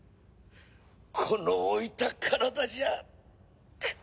この老いた体じゃ。